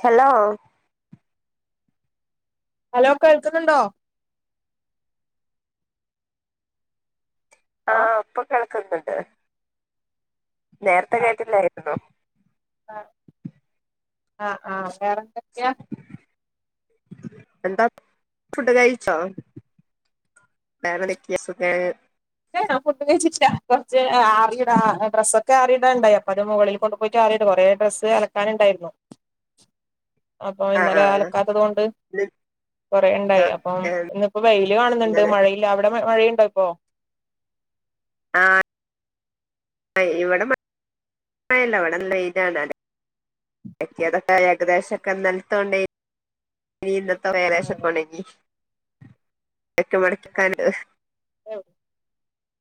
Hello hello കേൾക്ക്ന്ന്ണ്ടോ ആ ആഹ് ഇപ്പം കേൾക്ക്ന്നുണ്ട് നേര്ത്തെ കേട്ടില്ലായിരുന്നു. ആ ആഹ് ആഹ് വേറെന്തൊക്ക്യാ എന്താ ഫുഡ് കഴിച്ചോ വേറെന്തൊക്കെ സുഖം ല്ല ഞാൻ ഫുഡ്‌ കഴിച്ചിട്ട്ല്ല കൊർച്ച് ആറിടാൻ ഡ്രസ്സൊക്കെ ആറിടാണ്ടായി അപ്പോ അത് മുകളിൽ കൊണ്ട് പോയിട്ട് ആറിട കൊറെ ഡ്രസ്സ് അലക്കാനുണ്ടായിര്ന്നു അപ്പോ ആഹ് ഇന്നലെ ആഹ് അലക്കാത്തതോണ്ട് ഇന്ന് കൊറെ ണ്ടായി ആഹ് അപ്പം ഏഹ് ഇന്നിപ്പോ വെയില് കാണ്ന്ന്ണ്ട് ഇന്നലെ മഴയില്ല അവടെ മഴയ്ണ്ടോ പ്പൊ ആഹ് ആ ഇവടെ മഴല്ല ഇവടെ വെയിലാണ് എത്തിയതൊക്കെ ഏകദേശൊക്കെ ഇന്നൽത്തെ [unintelligible] ഇന്നത്തതും ഏകദേശൊക്കൊണങ്ങി തൊക്കെ മടക്യെക്കാന് ഉം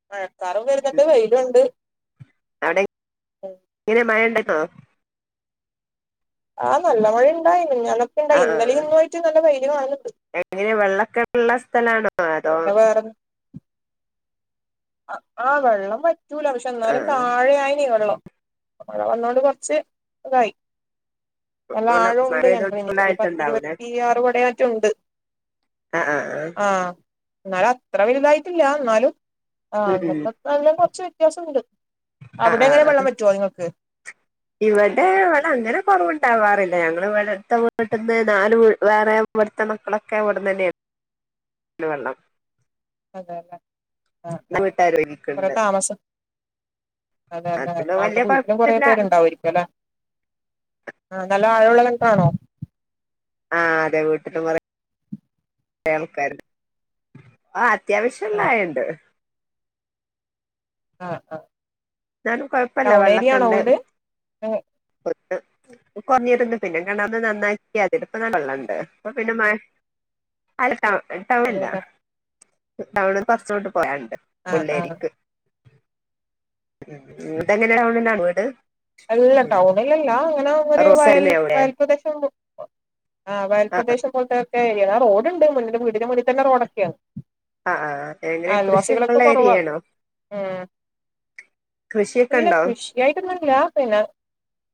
മഴക്കാറും വെര്ന്നുണ്ട് വെയിലുണ്ട് അവടെ ഉം ങ്ങനെ മഴ ണ്ടപ്പം ആഹ് നല്ല മഴണ്ടായി മിഞ്ഞാന്നൊക്കെ ഇണ്ടായി ഇന്നലേം ഇന്നു ആയിട്ട് നല്ല വെയില് കാണ്ന്ന്ണ്ട് ങ്ങനെ വെള്ളക്കെള്ളെ സ്ഥലാണോ അതോ പിന്നെ വേറെ ആഹ് ആഹ് വെള്ളം വറ്റൂല പക്ഷെ ന്നാലും ആഹ് താഴെ ആയിനി വെള്ളം മഴ വന്നോണ്ട് കൊർച്ച് തായി നല്ല വെള്ളം മഴ ആഴുണ്ട് പെയ്തോണ്ട് കെൺറിന് ഒരു ഫുള്ളായിട്ടുണ്ടാവൂലേ പത്തിരുപത്തിയാറ് കൊടെറ്റെ ഉണ്ട് ആഹ് ആഹ് ആഹ് ന്നാലും അത്ര വെൽതായിറ്റില്ല ന്നാലും ആഹ് ഉം ഉം അന്നത്തെക്കാളിലും കൊർച്ച് വ്യത്യാസുണ്ട് അവടെങ്ങനെ വെള്ളം വറ്റോ നിങ്ങക്ക് ഇവടെ വെള്ളം അങ്ങനെ കൊറവ്ണ്ടാവാറില്ല ഞങ്ങള് വ്ടെത്തെ വീട്ട്ന്ന് നാല് വീ വേറെ ഇവ്ട്ത്തെ മക്കളൊക്കൊ ഇവ്ട്ന്നെന്നെണ് [unintelligible] വെള്ളം അതെല്ലേ ആഹ് ആഹ് [unintelligible] അതെല്ലെ അതുകൊണ്ട് അവടെ വലിയ വീട്ടിലും കൊറേ കുഴപ്പമില്ല പേരുണ്ടാവേരിക്കു ലെ ആഹ് നല്ല ആഴുള്ള കെണറാണോ ആഹ് അതെ വീട്ടിലും കൊറെ റേ ആൾക്കാ ഓ ആഹ് അത്യാവശ്യള്ളായണ്ട് ആഹ് ആഹ് ന്നാലും കൊഴപ്പല്ല ടൗൺ ഏരിയ ആണോ വെള്ളക്കെണ്ട് വീട് ഏഹ് [unintelligible] കൊർഞ്ഞിട്ട്ണ്ട് പിന്നെ കെണറിനെ നെന്നാക്കി അതില് പ്പ നല്ലള്ളണ്ട് പ്പ പിന്നെ മഴ അല്ല ടൗ ടൗണല്ല അതെല്ലേ ടൗണ് കൊർച്ചോട്ട് പോയാണ്ട് ആഹ് ആഹ് പുള്ളേരിക്ക് [unintelligible] ടൗണില വീട് അല്ല ടൗണിലല്ല ങ്ങനെ ഒരു വയൽ റോസരിനെ അവിടെ വയൽപ്രദേശം ആഹ് ആ വയൽപദേശം പോൽത്തെക്കെ ആ റോഡ്ണ്ട് മുന്നിന്റെ വീടിന്റെ മുന്ന് ത്തെന്നെ റോഡൊക്യാണ് ആഹ് ആഹ് എങ്ങനെ കൃഷിയൊക്കെള്ള ഏരിയേണോ ഉം ഇല്ല കൃഷിയൊക്കെണ്ടോ [unintelligible] പിന്നെ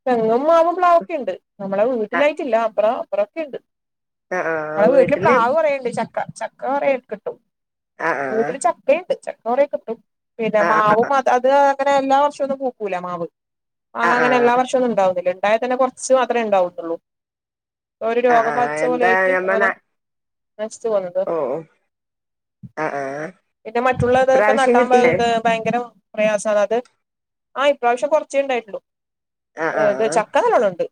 തെങ്ങും മാവും പ്ലാവൊക്കെണ്ട് നമ്മളെ ആ വീട്ടിലായിട്ടില്ല അപ്പറം അപ്പറൊക്കെ ണ്ട് ആ ആ മ്മളെ വീട്ടില് പ്ലാവ് കൊറേ ണ്ട് ചക്ക ചക്- ക്ക റേ [unintelligible] കിട്ടും ആ ആ വീട്ടില് ചക്കയിണ്ട് ചക്ക കൊറേ കിട്ടും പിന്നെ ആ മാവും അത് അത് അങ്ങനെ എല്ലാ വർഷവൊന്നും പൂക്കൂല മാവ് ആ മാങ്ങ ആ അങ്ങനെ എല്ലാ വർഷൊന്നും ഉണ്ടാവുന്നില്ല ഇണ്ടായാ തന്നെ കൊറച്ച് മാത്രമേ ഇണ്ടാവത്തുള്ളൂ ഒരു ആ ആ രോഗബാധിച്ച എന്താ പോലെയായിട്ട് അങ്ങനെ നശിച്ചു പോകുന്നത് ഓഹ് ആഹ് ആഹ് പിന്നെ മറ്റുള്ളതൊക്കെ നട്ടാൻ പ ഭയങ്കര പ്രയാസാവാണ് അത് ഇപ്രാവശ്യം കൊറച്ചേ ഇണ്ടായിട്ടുള്ളു ആ ആ എന്തുവാ ചക്ക നല്ലോണവുണ്ട്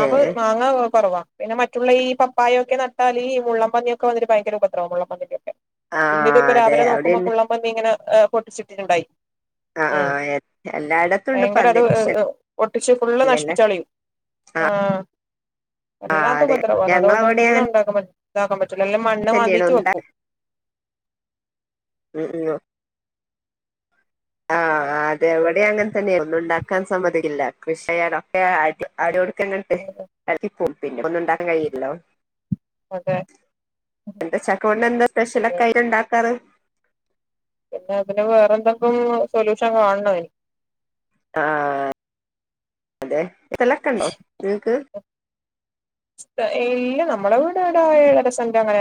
ഏ മാങ്ങ കൊറവാ പിന്നെ മറ്റുള്ള ഈ പപ്പായയൊക്കെ നട്ടാല് ഈ മുള്ളം പന്നിയൊക്കെ വന്നിട്ട ഭയങ്കര ഉപദ്രവമാണ് മുള്ളൻ പന്നീന്റൊക്കെ ആ ഇപ്പ അതെ രാവിലെ നോക്കുമ്പോ അവിടെണ്ട് മുള്ളുപന്നി ഇങ്ങന പൊട്ടിച്ചിട്ടിട്ട്ണ്ടായി ആ ആ ഉം എല്ലായിടത്തും ഉണ്ട് ഭയങ്കര പന്നി അത് കൃഷി ഏ ഒട്ടിച്ച് ഫുള്ള് ഇല്ലല്ലേ നശിപ്പിച്ച് കളയും ആ ആഹ് ആ അതെ വല്ലാത്തുപദ്രവാന്ന് ഞങ്ങളവിടെ അതുകൊണ്ടൊന്നും ഉണ്ടാക്ക ഇതാക്കാൻ പറ്റു റ്റൂല ഇല്ലേ മൺ തന്നെണോ ഒണ്ടാ ഉം ഉം ആഹ് അത് എവിടെ അങ്ങനെ തന്നെ ഒന്നും ഉണ്ടാക്കാൻ സമ്മതിക്കില്ല കൃഷി ചെയ്യാനൊക്കെ അട അ [unintelligible] ടടി ങ്ങട്ട് എള [unintelligible] ക്കി പ്പോം പിന്നെ ഒന്നും ഇ ണ്ടാക്കാൻ കയില്ലല്ലോ അതെ എന്താ ചക്ക കൊണ്ട് എന്താ അതെ സ്പെഷ്യലൊക്കെയി ഉണ്ടാക്കാറ്? പിന്നെ അതിന് വേറെ എഎന്തൊക്കെയോ സൊല്യൂഷൻ കാണണം അയിന്- ആ അതെ ഇതള [unintelligible] ക്കണ്ടോ നിങ്ങക്ക്? ഇല്ല നമ്മളെ വീടവിടെ ഏഴരസെന്റ് അങ്ങനെ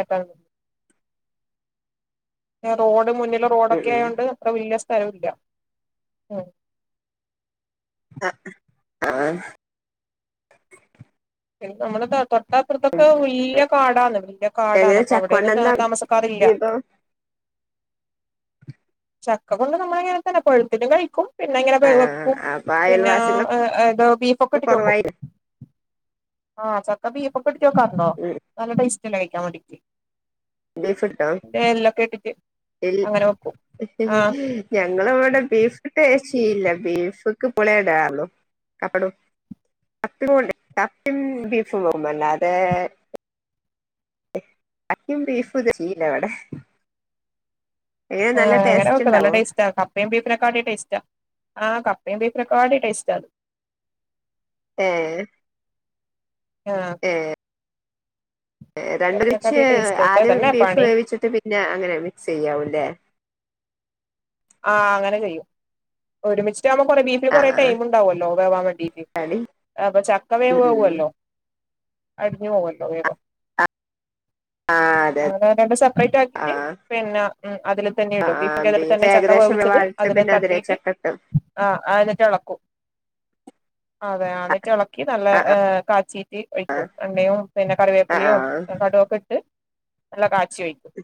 റോഡ് മുന്ന്ല് ഉം ഉം റോഡൊക്കെയോണ്ട് അത്ര വല്ല്യ സ്ഥലം വില്ല [unintelligible] ആഹ് പിന്നെ നമ്മടെ തോട്ടം ഇപ്പൊ അപ്പുറത്തൊക്കെ വല്ല്യകാടാന്ന് വലിയകാടാണ് എങ്ങനെ അപ്പ ചക്കോണ്ട് അവിടെയൊന്നും എന്താ കേറി താമസക്കാറില്ല താമസ്സക്കാരില്ല വിഭവം ചക്കകൊണ്ട് നമ്മള് ഇങ്ങനെ തന്നെ പഴുത്തിട്ടും കഴിക്കും. പിന്നെങ്ങനെ വെ ആ വെപ്പും അപ്പൊ പിന്നെ അയൽവാസികളൊക്കെ ഏതോ ബീഫൊക്കെ ഇട്ടിട്ട് വെക്കും കൊറവായി ആഹ് ചക്ക ബീഫൊക്കെ ഇട്ടിട്ട് വെക്കാറുണ്ടോ ഉം നല്ല ടേയ്സ്റ്റല്ലെ കഴിക്കാൻ വേണ്ടിട്ട് ബീഫ് കിട്ടോ എല്ലൊക്കെയിട്ടിട്ട് അങ്ങനെ വെക്കും ആഹ് [unintelligible] ഞങ്ങള് ഇവിടെ ബീഫ് ടെസ്റ്റ് ചെയ്യില്ല ബീഫ്ക്ക് [unintelligible] കപ്പേം കൊണ്ട് കപ്പേം ബീഫുംവാങ്ങും അല്ലാതേ- ചക്കയും ബീഫും [unintelligible] അവിടെ ആഹ് അങ്ങനെ ടേസ്റ്റ് വെക്കും നല്ല ഉണ്ടാവോ ടേസ്റ്റാക്ക കപ്പേം ബീഫ്നേക്കാട്ടി ടെസ്റ്റാ ആഹ് കപ്പയുംബീഫ്നേക്കാട്ടി ടെസ്റ്റാത്. ഏഹ് ആഹ് ഏഹ് രണ്ട [unintelligible] രച്ച് ബീഫിനെക്കാട്ടി ടേസ്റ്റ് പക്ഷെ അതന്നെ ആദ്യംബീഫ് പണി വേവിച്ച്ട്ട് പിന്നെ അങ്ങനെ മിക്സ്സെയ്യാവുംലേ? ആഹ് അങ്ങനെ കഴിയും ഒരുമിച്ച്ട്ട് ആവുമ്പോ കൊറേ ബീ ആ കൊറേ ആ ടൈംണ്ടാവല്ലോ വേവാവാൻ വേണ്ടീട്ട് അടി അപ്പ ചക്കവേഗം ഉം ഉം വേവൊല്ലോ അട്ഞ്ഞ് പൊവല്ലോ വേഗം ആ അതെ അതെ [unintelligible] ആ സപ്പറേറ്റാക്കീട്ട് പിന്നെ അതില് തന്നെ ആ ഇടും ആ ബീഫിന്റെ അതില് ബീഫ് [unintelligible] ഏകദേശം ഉയ്ച്ചത് വേവായിട്ട് അതി [unintelligible] പിന്നെ അതിലേക്ക് ലെതട്ടീട്ട് ചക്ക ഇട്ട് ആ അയനറ്റെളക്കും [unintelligible] അതെ ആ അതിട്ട് എളക്കി നല്ല ആ ആ ഹ് കാച്ചീറ്റ് ഒഴിക്കും എണ്ണയും പിന്നെ കറിവേപ്പിലയും- ആഹ് കട് വൊക്ക്ട്ട് എണ്ണകാച്ചിയൊഴിക്കും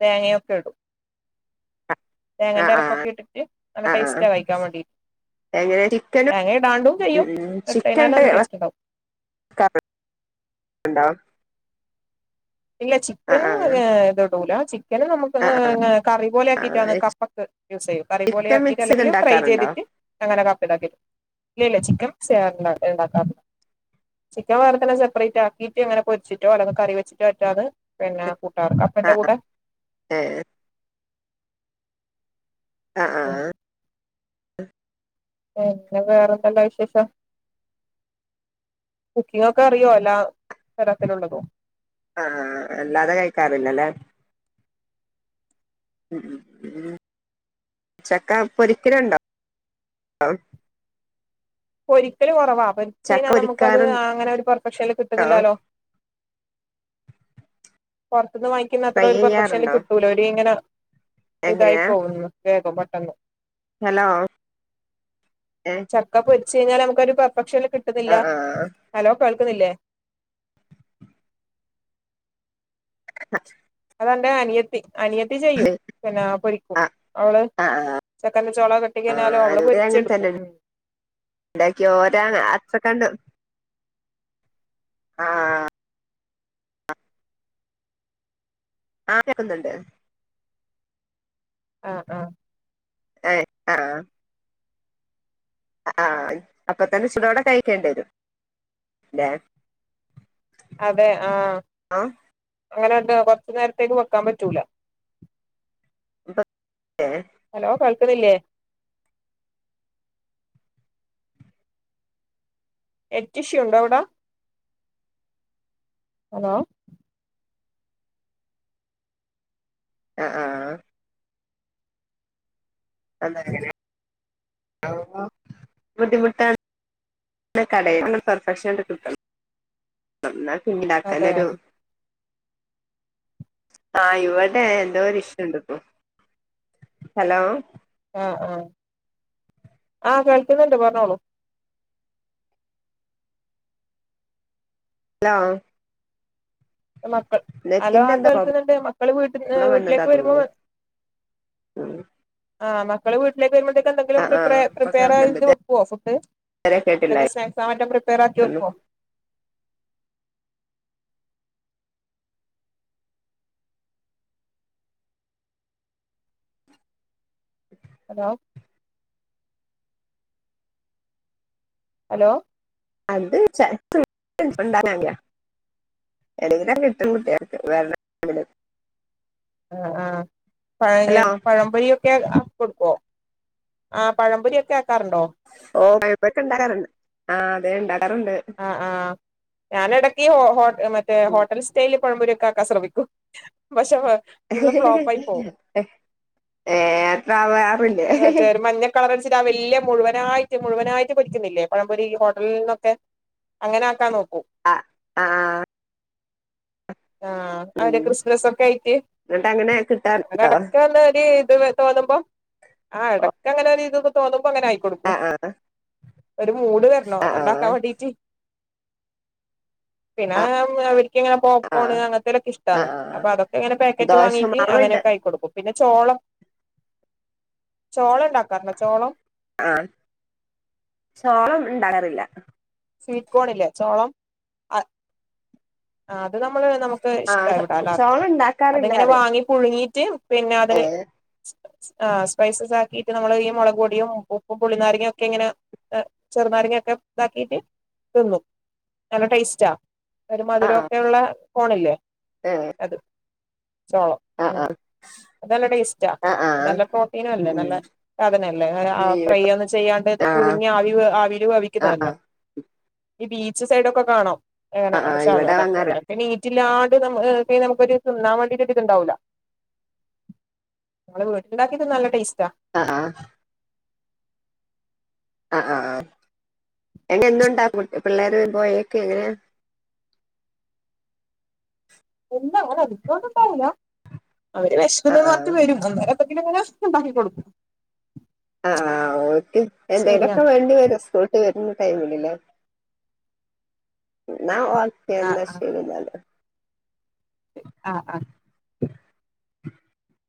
തേങ്ങയൊക്ക്ടും ആ ആ തേങ്ങന്റെരപ്പൊക്കെട്ട്ട്ട് നല്ലടെസ്റ്റാ കഴിക്കാൻ വേണ്ടി എങ്ങനെചിക്കനും ചെയ്യും ഇട്ടതിനാലും ചിക്കൻണ്ട് നല്ല ടേസ്റ്റ് ഉണ്ടാവും [unintelligible] ഇല്ല ആ ചിക്കന് ആ [unintelligible] ഇത്ടൂല ചിക്കന് നമുക്ക് ആ ആ ആ കറിപോലെക്കിട്ടാണ് കപ്പക്ക് യൂസ്സെയ്യും ചിക്കൻ കറിപോലെയാക്കിട്ട് മിക്സ് ചെയ്ത് അല്ലങ്കില് ഉണ്ടാക്കാറുണ്ടോ ഫ്രൈചെയ്തിട്ട് അങ്ങനെ കപ്പ ഇണ്ടാക്കും ഇല്ല ഇല്ല ചിക്കൻ ഉണ്ടാക്കാറി ചിക്കൻ വേറത്തന്നെ സെപ്പറേറ്റാക്കിട്ട് ഇങ്ങനെ പൊര്ച്ച്ട്ടോ അല്ലെങ്കിൽ കറിവെച്ച് [unintelligible] പിന്നെ കൂട്ടാറുണ്ട് കടപ്പന്റെകൂടെ ഏഹ് ആഹ് ആഹ് ഉം പിന്നെ വേറെന്തല്ലാവിശേഷം? കുക്കിംങ്ങൊക്കെഅറിയോ എല്ലാ തരത്തിലുള്ളതും ആഹ് ആഹ് അല്ലാതെ കഴിക്കാറില്ലല്ലേ? ഉം ഉം ചക്ക പൊരിക്കല്ണ്ടോ? പൊരിക്കല് കൊറവാ ചക്ക പൊരിച്ചഴ്ഞ്ഞാനമുക്കത് പൊരിക്കാറുണ്ടോ അങ്ങനൊരു പൊർഫെക്ഷൻല് കിട്ട്ന്ന്ല്ലാലോ പൊറ്ത്ത്ന്ന് വാങ്ങിക്കുന്നത്ര ഫ്രൈ ഒരു പെർഫക്ഷൻല് ചെയ്യാറുണ്ടോ കിട്ടൂല ഒര്ങ്ങനെ എങ്ങനെയാ ഇതായിപോവ്ന്ന് വേഗം പെട്ടന്ന് ഹലോ ഏഹ് ചക്കപൊര്ച്ചഴിഞ്ഞാലാമ്മക്കൊര് പെർഫെക്ഷൻല് കിട്ടുന്നില്ല ആ ആ ഹലോ കേൾക്കുന്നില്ലേ? [unintelligible] അതന്റെ അനിയത്തി അനിയത്തി ചെയ്യും പിന്നെ പൊരിക്കും ആ അവള് ആ ആ ചക്കന്റെ ചോള വെട്ടിക്കഴിഞ്ഞാലും അവള് പൊരിച്ചെടുക്കും ഉം ഇണ്ടാക്കി ഓരാ അത്രകണ്ട് ആഹ് ആഹ് കേക്കുന്നുണ്ട് ആഹ് ആഹ് ഏഹ് ആഹ് അഹ് ആഹ് അപ്പൊതന്നെ ചുടോടെ കഴിക്കേണ്ടിയരും ല്ലേ അതെ ആഹ് ആ അങ്ങനെ എന്ത കൊറച്ച് നേരത്തേക്ക് വെക്കാൻ പറ്റൂല അ [inaudible] ഹലോ കേൾക്ക്ണില്ലേ നെറ്റിഷ്യൂ ഉണ്ടോ അവിടെ ഹലോ ആഹ് ആഹ് അ [inaudible] ബുദ്ധിമുട്ടാണ് [inaudible] കടേന്ന് പെർഫെക്ഷൻ ആയിട്ട് കിട്ടണം ന്നാ പിന്നെ അതെ ണ്ടാക്കാനൊരു ആഹ് ഇവിടെ എന്തോ ഒരിഷ്യൂണ്ട്പ്പോ ഹലോ ആഹ് ആഹ് ആഹ് കേൾക്ക്ന്നുണ്ട് പറഞ്ഞോളൂ ഹലോ മക്കൾ ഹലോ നെറ്റിന്റെ ആഹ് എന്താ പ്രോബ്ലം കേൾക്കുന്നുണ്ട് മക്കള് വീട്ട് വന്നതാ വീട്ടിലേക്ക് വരുമ്പോ തോന്നുന്നു ഉം ആഹ് മക്കള് വീട്ടിലേക്ക് വരുമ്പോളത്തേക്ക് ആ എന്തെങ്കിലും ആ പ്രിപ് ഇപ്പൊ കേൾക്കുന്നുണ്ട് പ്രിപയറയ്ത് വെക്കുവോ ഫുഡ് ഇതുവരെ എന്തെങ്കിലും കേട്ടില്ലായിരുന്നു സ്നാക്ക്സൊ, മറ്റോ പ്രിപ്പയർ ആക്കി വെക്കോ. ഹലോ ഹലോ അത് ചെലപ്പോ [unintelligible] ഉണ്ടാനാ [unintelligible] എടയിലൊക്കെ കിട്ടും കുട്ട്യാക്ക് വേറെ [unintelligible] ആഹ്, ആഹ് പഴ ഹലോ പഴം പൊരിയൊക്കെ കൊടുക്കുവോ? ആഹ്, പഴം പൊരിയൊക്കെ ആക്കാറുണ്ടോ? ഓഹ്, പഴം പൊരിയൊക്കെ ഉണ്ടാക്കാറ്ണ്ട് ആഹ്, അതെ ഉണ്ടാക്കാറുണ്ട്. ആഹ്, ആഹ് ഞാനെടയ്ക്ക് ഹോ ഹോ മറ്റേ ഉം. ഹോട്ടൽസ് സ്റ്റൈല് പഴ മ്പൊരിയൊക്കെ ആക്ക ശ്രമിക്കും. പക്ഷെ, ഫുള്ളും ഫ്ലോപ്പ് ആയി പോവും. ഏഹ് വേവാറില്ല. മറ്റേ ഒരു മഞ്ഞ കളറടിച്ചിട്ട് ആഹ്, വല്യ മുഴുവനായിട്ട്, മുഴുവനായിട്ട് പൊരിക്കുന്നില്ലേ. പഴം പൊരി ഈ ഹോട്ടൽ ന്നൊക്കെ നിന്നൊക്കെ അങ്ങനാക്കാൻ നോക്കും. അഹ്, ആഹ് ആഹ്, അവരെ ഉം ക്രിസ്പി നെസ് ഒക്കെ ആയിട്ട് എന്നിട്ട് അങ്ങനെ കിട്ടാറുണ്ടോ എടക്കന്നൊരിത് തോന്നുമ്പോ, ആഹ്, ഓ എടക്കങ്ങനൊരി തൊക്കെ തോന്നുമ്പോ, അങ്ങനെ ആക്കി ആ ക്കൊടുക്കും. ആ ഒരു മൂട് വരണം. ആ ആ ഒണ്ടാക്കാൻ വേണ്ടീട്ട്. പിന്നെ ആ അവരിക്കിങ്ങനെ പോ ആ പോണ് അങ്ങൻ ത്തെലൊക്കെ ആ ഇഷ്ട്ടാണ്. ആ അപ്പൊ, അതൊക്കെ ഇങ്ങനെ പാക്കറ്റ് വാങ്ങീട്ട് ദോശമാവുണ്ട് അങ്ങനെയൊക്കെ ആക്കി കൊടുക്കും. പിന്നെ, ചോളം ചോളണ്ടാക്കാറു ണ്ടോ, ചോളം. ആഹ്, ചോളം ഉണ്ടാക്കാറില്ല. സ്വീറ്റ് കോണില്ലേ? ചോളം. ആഹ്, അത് നമ്മള് നമുക്ക് ആ ഇഷ്ട ചോ- ഇവിട ല്ലാർക്കും. ചോളം അതി ഉണ്ടാക്കാറില്ല ങ്ങനെ അറിയ വാങ്ങി പുഴുങ്ങിട്ട്, പിന്നെ ഏ അതില് ആഹ്, സ്പൈസസ് ആക്കീട്ട് നമ്മള് ഈ മുളക് പൊടിയും, ഉപ്പും, പുളി നാരങ്ങ യൊക്കെ ഇങ്ങനെ ചെറുനാരങ്ങയൊക്കെ ഇതാക്കിട്ട് തിന്നും. നല്ല ടേസ്റ്റാ ഈ, മധുരോക്കെയുള്ള കോണില്ലേ? ഏഹ് അത്, ചോളം. ആഹ്, ഉം ആഹ് അത് നല്ല ടേസ്റ്റാ. അത് നല്ല പ്രോട്ടീനും ഉം അല്ലേ, ഉം നല്ല സാധനല്ലേ? ന ആഹ്, ഫ്രൈ ഇവിടെ ഒന്നും ചെയ്യാണ്ട്, ആ പുഴുങ്ങി ആവി ആവിൽ ആ ആ വേവിക്കുന്നതല്ലേ? ഈ, ബീച്ച് സൈഡ് ഒക്കെ കാണും. ആഹ്, ആഹ്, ഇവിടെ അങ്ങന അല്ല. നീറ്റില്ലാണ്ട്, നമം ഹ് നമ്മ കോരു തിന്നാ വണ്ടിട്ട് ഒരു ഇതു ണ്ടാവുല. നിങ്ങള് വീട്ടിലുണ്ടാക്കിയത് നല്ല ടേസ്റ്റാ. ആഹ്, ആഹ് ആഹ്, ആഹ്, ആഹ് എന്നിട്ട് എന്തുണ്ടാക്കും പിള്ളേർ വരും പോയേ ക് എങ്ങനെയ. ഇല്ല, അങ്ങന അതിക ന്നുണ്ടാവുല. അവര് വിഷ ക്കുന്നുന്ന് ആഹ് പറഞ്ഞിട്ട് വരും. അന്നേരം അതിങ്ങനെ [unintelligible] ഉണ്ടാക്കി കൊടുക്കും. ആഹ്, ആഹ് ഓൽക് എന്തേ ലൊക്കെ ശരിയെന്നാ വേണ്ടി വരും, സ്കൂൾട്ട് വരുന്ന ടൈമില് ല്ലേ? ന്നാ ഒക്കെ, ആ എന്ന ശരി ന്നാല്. ആഹ്, ആഹ് [unintelligible] [inaudible]